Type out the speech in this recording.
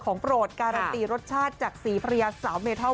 ของโปรดการัติรสชาติจากศรีพรียาสาวเมเทา